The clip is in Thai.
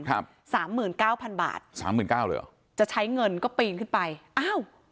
สามหมื่นเก้าพันบาทสามหมื่นเก้าเลยเหรอจะใช้เงินก็ปีนขึ้นไปอ้าว